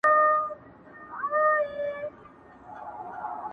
چا ته دم چا ته دوا د رنځ شفا سي.